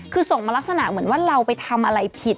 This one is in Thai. คือส่งมาลักษณะเหมือนว่าเราไปทำอะไรผิด